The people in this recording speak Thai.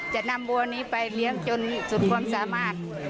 จะนำบัวนี้ไปเลี้ยงจนสุดความสามารถ